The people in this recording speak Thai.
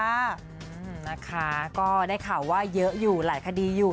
อืมนะคะก็ได้ข่าวว่าเยอะอยู่หลายคดีอยู่